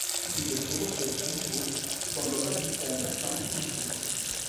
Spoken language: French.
Il se reflète à nouveau dans le ravissant bassin qui l'entoure.